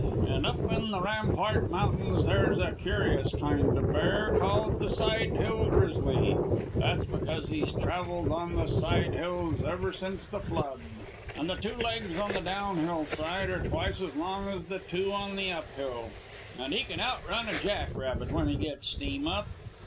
And up in the Rampart Mountains there's a curious kind of bear called the 'side hill grizzly.' That's because he's traveled on the side hills ever since the Flood, and the two legs on the down hill side are twice as long as the two on the up hill. And he can out run a jack rabbit when he gets steam up.